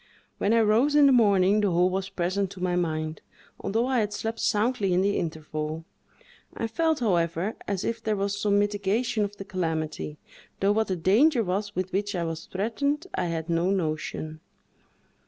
When I rose in the morning, the whole was present to my mind, although I had slept soundly in the interval; I felt, however, as if there was some mitigation of the calamity, though what the danger was with which I was threatened, I had no notion.